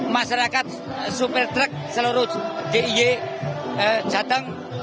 masyarakat supertruck seluruh d i j jateng